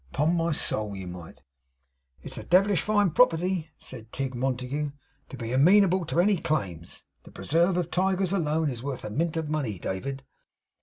Upon my soul you might!' 'It a devilish fine property,' said Tigg Montague, 'to be amenable to any claims. The preserve of tigers alone is worth a mint of money, David.